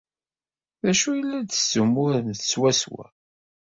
D acu ay la d-tessumuremt swaswa?